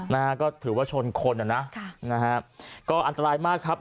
นะฮะก็ถือว่าชนคนอ่ะนะค่ะนะฮะก็อันตรายมากครับ